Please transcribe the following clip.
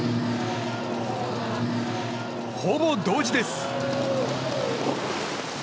ほぼ同時です。